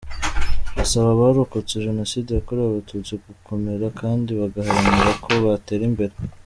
Asaba abarokotse Jenoside yakorewe Abatutsi gukomera kandi bagaharanira ko batera imbere.